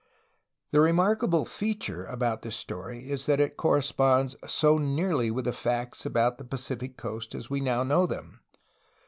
The remarkable feature about this story is that it corre sponds so nearly with the facts about the Pacific coast as we now know them.